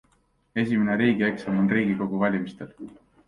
Esimene riigieksam on riigikogu valimistel.